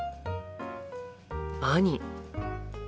兄。